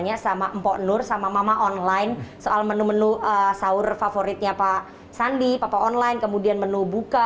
tanya sama mpok nur sama mama online soal menu menu sahur favoritnya pak sandi papa online kemudian menu buka